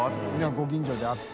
ご近所であって。